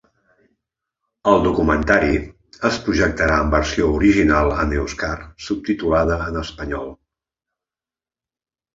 El documentari es projectarà en versió original en èuscar subtitulada en espanyol.